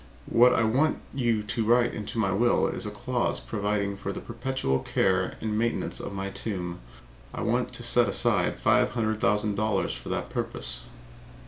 What I want you to write into my will is a clause providing for the perpetual care and maintenance of my tomb. I want to set aside five hundred thousand dollars for that purpose."